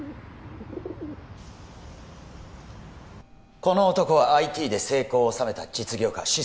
この男はＩＴで成功を収めた実業家資産